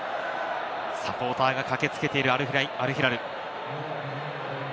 サポーターが駆けつけているアルヒラル。